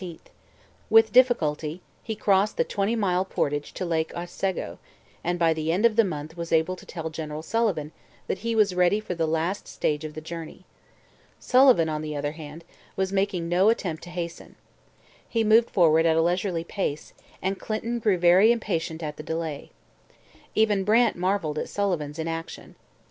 With difficulty he crossed the twenty mile portage to Lake Otsego, and by the end of the month was able to tell General Sullivan that he was ready for the last stage of the journey. Sullivan, on the other hand, was making no attempt to hasten. He moved forward at a leisurely pace, and Clinton grew very impatient at the delay. Even Brant marvelled at Sullivan's inaction.